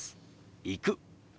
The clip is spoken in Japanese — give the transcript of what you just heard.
「行く」。